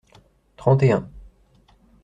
Trente et un.